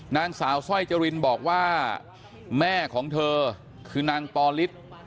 นางสาวสร้อยจรินบอกว่าแม่ของเธอคือนางปอลิศ